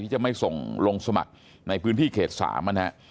จะไม่ส่งลงสมัครในพื้นที่เขต๓นะฮะ